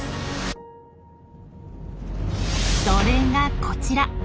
それがこちら。